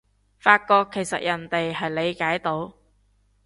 發覺其實人哋係理解到